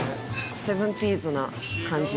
セブンティーズな感じで。